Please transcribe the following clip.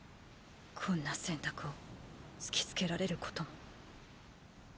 こんな選択を突きつけられることも。